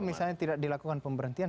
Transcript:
misalnya tidak dilakukan pemberhentian